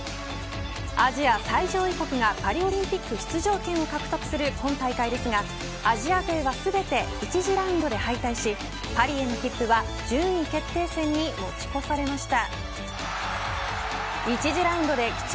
アジア最上位がパリオリンピック出場権を獲得する今大会ですがアジア勢は全て１次ラウンドで敗退しパリへの切符は１０位決定戦に持ち越されました。